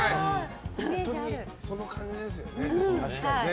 本当にその感じですよね。